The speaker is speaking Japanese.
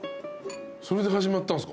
それで始まったんすか？